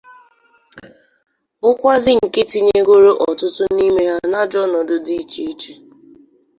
bụkwazị nke tinyegoro ọtụtụ n'ime ha n'ajọ ọnọdụ dị icheiche